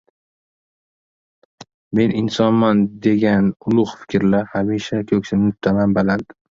Men insonman degan ulug‘ fikrla, hamisha ko‘ksimni tutaman baland.